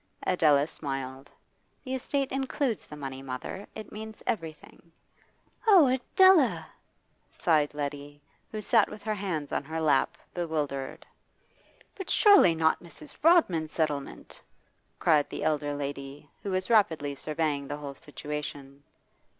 Adela smiled. 'The estate includes the money, mother. It means everything.' 'Oh, Adela!' sighed Letty, who sat with her hands on her lap, bewildered. 'But surely not Mrs. Rodman's settlement?' cried the elder lady, who was rapidly surveying the whole situation.